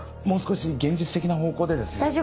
もう少し現実的な方向でですね。